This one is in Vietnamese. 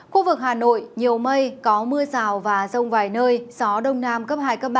khu vực hà nội nhiều mây có mưa rào và rông vài nơi gió đông nam cấp hai cấp ba